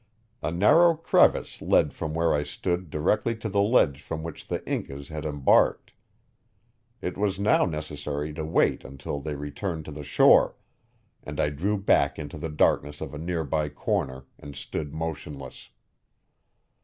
A narrow crevice led from where I stood directly to the ledge from which the Incas had embarked. It was now necessary to wait till they returned to the shore, and I drew back into the darkness of a near by corner and stood motionless.